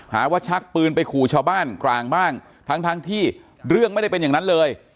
หาว่าชักปืนไปขู่ชาวบ้านกลางบ้างทั้งทั้งที่เรื่องไม่ได้เป็นอย่างนั้นเลย